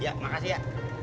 ya makasih ya